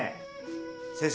先生